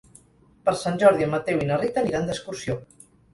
Per Sant Jordi en Mateu i na Rita aniran d'excursió.